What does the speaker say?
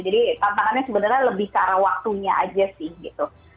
jadi tantangannya sebenarnya lebih karena waktunya aja sih gitu